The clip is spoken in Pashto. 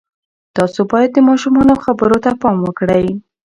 تاسې باید د ماشومانو خبرو ته پام وکړئ.